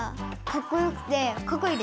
かっこよくない？